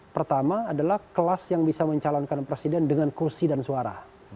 pertama adalah kelas yang bisa mencalonkan presiden dengan kursi dan suara